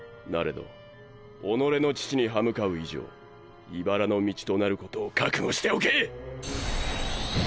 ど己の父に歯向かう以上茨の道となることを覚悟しておけ！